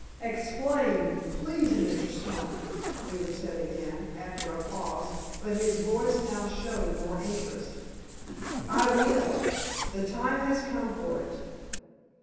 "Explain, please, Mr. Stone," Wheeler said again, after a pause, but his voice now showed more interest. "I will. The time has come for it.